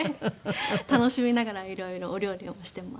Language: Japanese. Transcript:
楽しみながら色々お料理をしています。